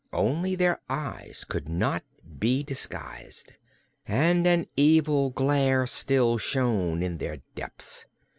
Only their eyes could not be disguised, and an evil glare still shone in their depths.